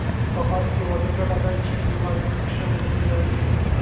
په ښار کې اوازه ګډه ده چې هېوادمشر غني راځي.